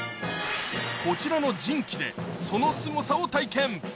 こちらの人機でそのすごさを体験